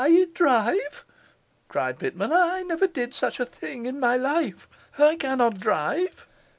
'I drive!' cried Pitman. 'I never did such a thing in my life. I cannot drive.